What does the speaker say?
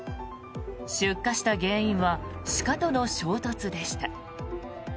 出火した原因は鹿との衝突でした。